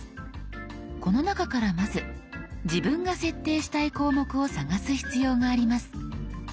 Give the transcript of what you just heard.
この中からまず自分が設定したい項目を探す必要があります。